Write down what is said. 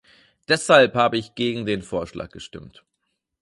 Deshalb habe ich gegen den Vorschlag gestimmt.